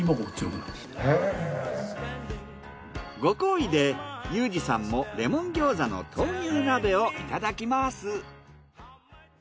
ご厚意でユージさんもレモン餃子の豆乳鍋をいただきます。